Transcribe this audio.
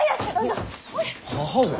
母上。